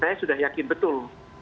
saya sudah yakin betul